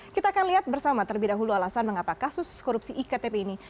kita akan lihat bersama terlebih dahulu alasan mengapa kasus korupsi iktp ini